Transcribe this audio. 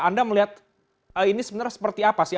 anda melihat ini sebenarnya seperti apa sih